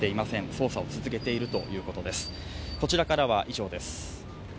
捜査を続けているということです。